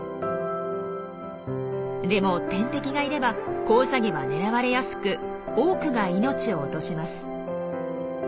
でも天敵がいれば子ウサギは狙われやすく多くが命を落とします。